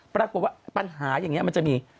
ปรากฏว่าปัญหาอย่างนี้มันจะมี